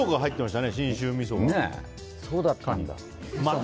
そうだったんだ。